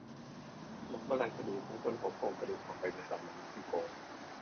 นักโบราณคดีเพิ่งพบโครงกระดูกของไดโนเสาร์ในเม็กซิโก